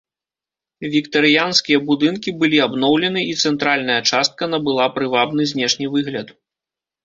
Віктарыянскія будынкі былі абноўлены і цэнтральная частка набыла прывабны знешні выгляд.